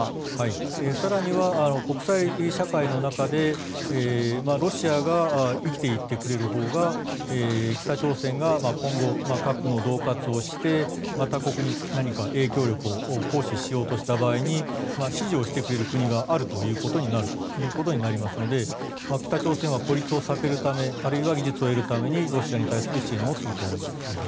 更には国際社会の中でロシアが生きていてくれるほうが北朝鮮が今後、核の恫喝をして他国に影響力を行使しようとした場合に支持をしてくれる国があるということになると思いますので北朝鮮は孤立を避けるためあるいは技術を得るためにロシアに対する支援をすると思います。